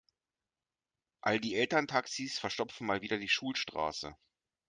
All die Elterntaxis verstopfen mal wieder die Schulstraße.